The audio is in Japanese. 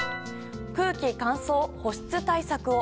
空気乾燥、保湿対策を。